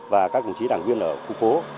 và các đồng chí đảng viên ở khu phố